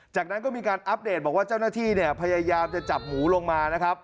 จากนั้นก็มีการอัปเดตบอกว่าเจ้าหน้าที่เนี่ยพยายามจะจับหมูลงมานะครับ